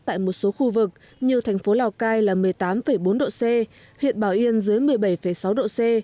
tại một số khu vực như thành phố lào cai là một mươi tám bốn độ c huyện bảo yên dưới một mươi bảy sáu độ c